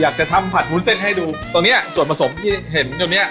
อยากจะทำผัดวุ้นเส้นให้ดูตรงเนี้ยส่วนผสมที่เห็นตรงเนี้ย